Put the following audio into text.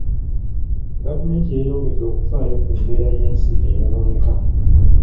Gavumenti yeeyongedde okufaayo ku mbeera y'ensi eyonooneka.